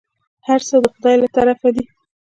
هرڅه د خداى له طرفه دي.